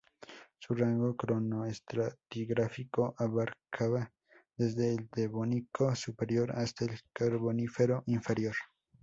Su rango cronoestratigráfico abarcaba desde el Devónico superior hasta el Carbonífero inferior.